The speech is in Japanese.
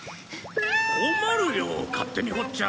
困るよ勝手に掘っちゃ！